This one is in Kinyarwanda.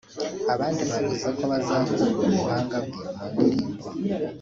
Abandi bavuze ko bazakumbura ubuhanga bwe mu ndirimbo